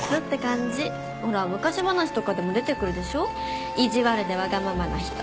ほら昔話とかでも出てくるでしょ意地悪でわがままな人。